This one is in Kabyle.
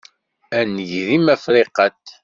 A nnger-im, a Friqat!